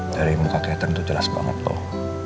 dari muka kak itu jelas banget tuh